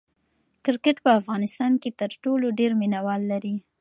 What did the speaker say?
کرکټ په افغانستان کې تر ټولو ډېر مینه وال لري.